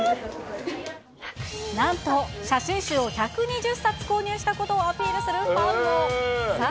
なんと、写真集を１２０冊購入したことをアピールするファンも。